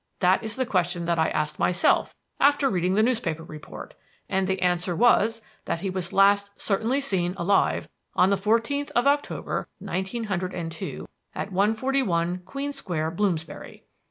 That is the question that I asked myself after reading the newspaper report; and the answer was, that he was last certainly seen alive on the fourteenth of October, nineteen hundred and two, at 141, Queen Square, Bloomsbury.